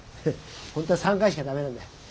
本当は３回しか駄目なんだ。